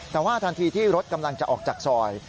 แต่ว่าทันทีที่รถกำลังจะออกจากซอย